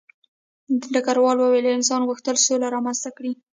ډګروال وویل انسان غوښتل سوله رامنځته کړي